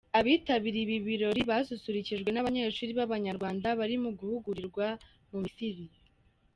Abitabiriye ibi birori basusurukijwe n’abanyeshuri b’Abanyarwanda bari guhugurirwa mu Misiri.